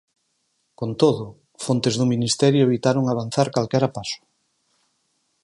Con todo, fontes do Ministerio evitaron avanzar calquera paso.